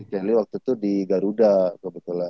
jenly waktu itu di garuda kebetulan